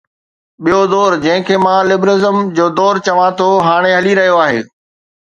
ٻيو دور، جنهن کي مان لبرلزم جو دور چوان ٿو، هاڻي هلي رهيو آهي.